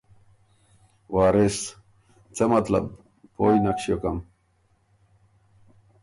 وارث ـــ ”څۀ مطلب؟ پویٛ نک ݭیوکم“